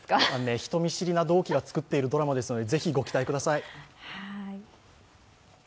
人見知りな同期が作っているドラマですので、ぜひご期待ください。